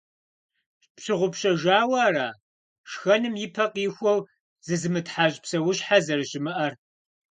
Пщыгъупщэжауэ ара шхэным ипэ къихуэу зызымытхьэщӀ псэущхьэ зэрыщымыӀэр?